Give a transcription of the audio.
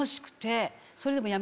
それでも。